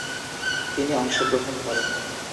তিনি অংশগ্রহণ করেন ।